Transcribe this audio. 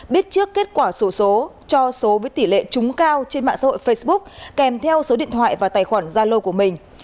biết trước kết quả sổ số cho số với tỉ lệ trúng cao trên mạng xã hội facebook kèm theo số điện thoại và tài khoản zalo của mình